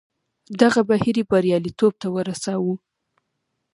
دغه بهیر یې بریالیتوب ته ورساوه.